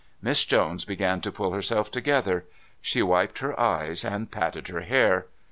Miss Jones began to pull herself together. She wiped her eyes and patted her hair.